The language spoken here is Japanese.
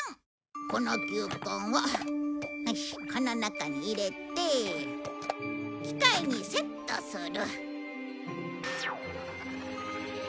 この球根をこの中に入れて機械にセットする。